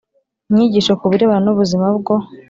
inyigisho ku birebana n ubuzima bwo